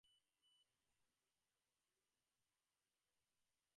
তোমার কাছে একদিন আছে আমাদের লন্সেস্টনে নিয়ে যাওয়ার জন্য, ঠিকাছে?